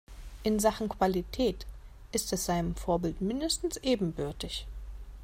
In Sachen Qualität ist es seinem Vorbild mindestens ebenbürtig.